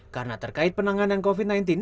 karena terkait penanganan covid sembilan belas